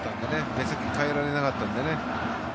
目先を変えられなかったのでね。